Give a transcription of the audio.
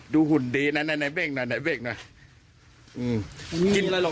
ดูหุ่นดีไหนเบ้งหน่อย